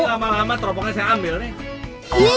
ini lama lama terpukangnya saya ambil nih